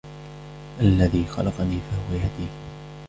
الذي خلقني فهو يهدين